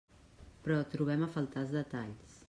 Però trobem a faltar els detalls.